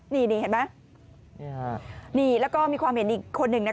นี่เห็นไหมนี่แล้วก็มีความเห็นอีกคนหนึ่งนะคะ